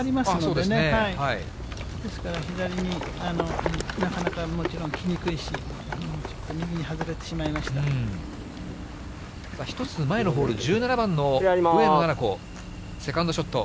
ですから左に、なかなか、もちろんきにくいし、右に外れてしまい１つ前のホール、１７番の上野菜々子、セカンドショット。